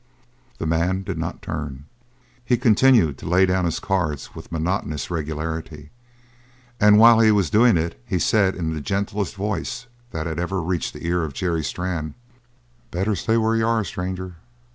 The man did not turn; he continued to lay down his cards with monotonous regularity, and while he was doing it he said in the gentlest voice that had ever reached the ear of Jerry Strann: "Better stay where you are, stranger.